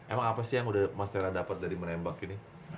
emang apa sih yang udah mas tera dapat dari menembak ini